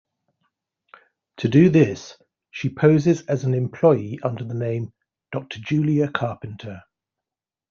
To do this, she poses as an employee under the name "Doctor Julia Carpenter".